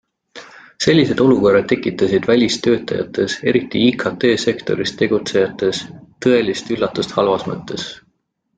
Sellised olukorrad tekitasid välistöötajates, eriti IKT sektoris tegutsejates, tõelist üllatust halvas mõttes.